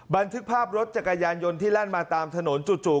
บันทึกภาพรถจักรยานยนต์ที่แล่นมาตามถนนจู่